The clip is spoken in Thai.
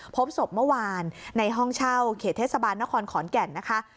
พบศพเมื่อวานในห้องเช่าเขตเทศบาลนครขอนแก่นนะคะ